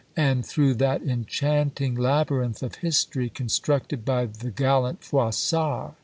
and through that enchanting labyrinth of History constructed by the gallant Froissart.